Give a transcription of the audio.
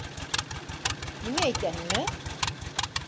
Миңә әйтәһеңме?!